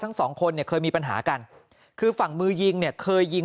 ทั้งสองคนเนี่ยเคยมีปัญหากันคือฝั่งมือยิงเนี่ยเคยยิง